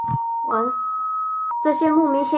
这些牧民现已迁离吉尔森林国家公园。